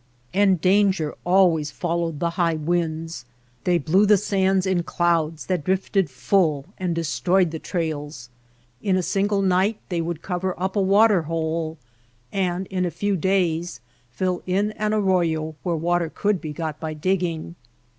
And danger always followed the high winds. They blew the sands in clouds that drifted full and destroyed the trails. In a single night they would cover up a water hole, and in a few days fill in an arroyo where water could be got by digging.